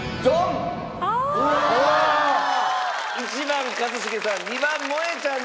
１番一茂さん